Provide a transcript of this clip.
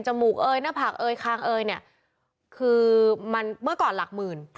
มูกเอยหน้าผากเอยคางเอยเนี่ยคือมันเมื่อก่อนหลักหมื่น